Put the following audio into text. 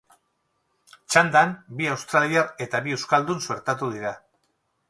Txandan bi australiar eta bi euskaldun suertatu dira.